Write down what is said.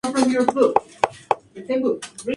Hiroki inicialmente estaba enamorado de Akihiko.